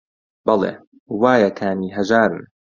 بەڵێ: وایە کانی هەژارن